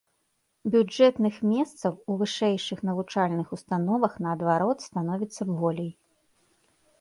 Бюджэтных месцаў ў вышэйшых навучальных установах, наадварот, становіцца болей.